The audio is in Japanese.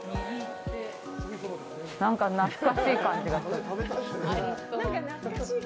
何か、懐かしい感じがする。